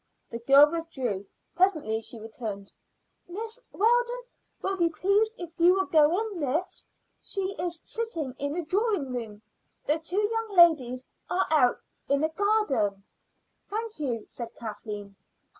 The girl withdrew. Presently she returned. "Mrs. Weldon will be pleased if you will go in, miss. She is sitting in the drawing room. The two young ladies are out in the garden." "Thank you," said Kathleen.